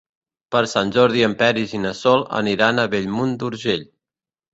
Per Sant Jordi en Peris i na Sol aniran a Bellmunt d'Urgell.